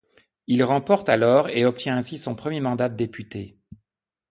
Il remporte alors et obtient ainsi son premier mandat de député.